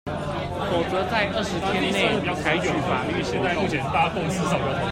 否則在二十天內採取法律行動